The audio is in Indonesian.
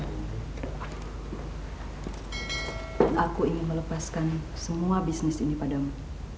dan aku ingin melepaskan semua bisnis ini padamu